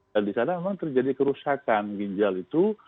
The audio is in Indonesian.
dan disana memang terjadi kerusakan ginjal itu